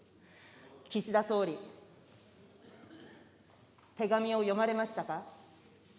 岸田総理、手紙を読まれましたか。